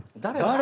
誰？